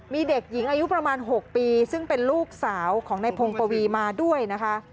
มีเด็กหญิงอายุประมาณ๖ปีซึ่งเป็นลูกสาวของนายพงปวีมาด้วยนะคะ